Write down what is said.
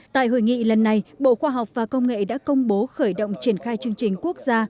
tại hội nghị lần này bộ khoa học và công nghệ đã công bố khởi động triển khai chương trình quốc gia